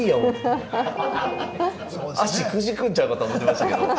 足くじくんちゃうかと思ってましたけど。